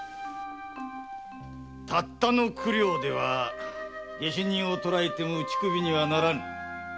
たった九両では下手人を捕らえても打ち首にはならぬ。